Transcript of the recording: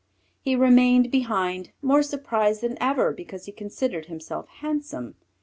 He remained behind, more surprised than ever because he considered himself handsome.